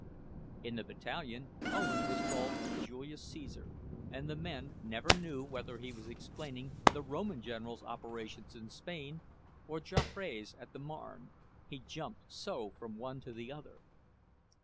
In the Battalion, Owens was called "Julius Caesar," and the men never knew whether he was explaining the Roman general's operations in Spain, or Joffre's at the Marne, he jumped so from one to the other.